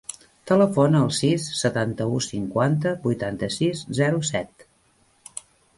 Telefona al sis, setanta-u, cinquanta, vuitanta-sis, zero, set.